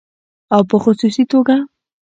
او په خصوصي توګه